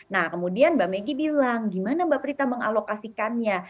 nah kemudian mbak meggy bilang gimana mbak prita mengalokasikannya